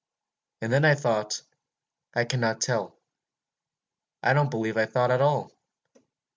What I then thought, I cannot tell. I don't believe I thought at all.